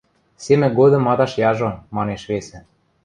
— Семӹк годым мадаш яжо, — манеш весӹ.